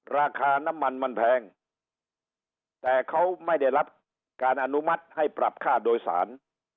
ราคาน้ำมันมันแพงแต่เขาไม่ได้รับการอนุมัติให้ปรับค่าโดยสาร